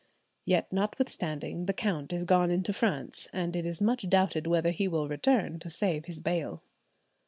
"Yet notwithstanding, the count is gone into France, and it is much doubted whether he will return to save his bail."